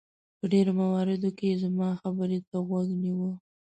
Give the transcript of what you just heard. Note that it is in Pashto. په ډېرو مواردو کې یې زما خبرې ته غوږ نیوه.